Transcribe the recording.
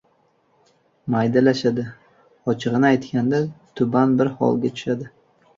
maydalashadi, ochig‘ini aytganda — tuban bir holga tushadi.